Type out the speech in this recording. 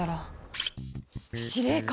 司令官